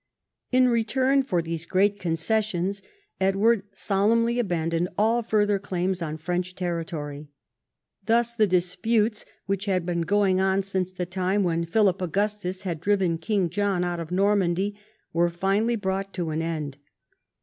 In return for these great concessions, Edward solemnly abandoned all further claims on French territory. Thus the disputes which had been going on since the time when Philip Augustus had driven King John out of Normandy were finally brought to an end.